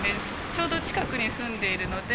ちょうど近くに住んでいるので。